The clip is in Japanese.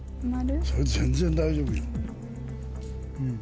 それ全然大丈夫よ。